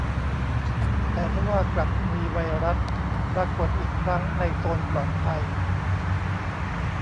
แต่ทว่ากลับมีไวรัสปรากฏอีกครั้งในโซนปลอดภัย